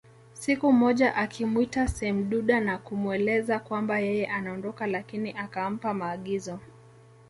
Siku moja akamwita semduda na kumweleza kwamba yeye anaondoka lakini akampa maagizo